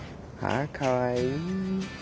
あかわいい。